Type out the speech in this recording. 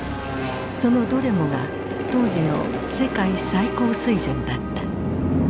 そのどれもが当時の世界最高水準だった。